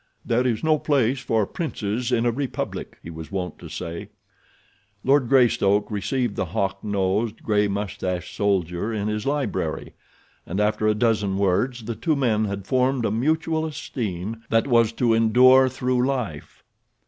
"There is no place for princes in a republic," he was wont to say. Lord Greystoke received the hawk nosed, gray mustached soldier in his library, and after a dozen words the two men had formed a mutual esteem that was to endure through life.